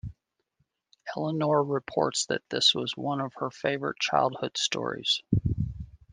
Eleanor reports that this was one of her favourite childhood stories.